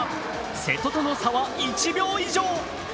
瀬戸との差は１秒以上。